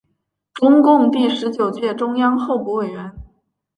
中共第十九届中央候补委员。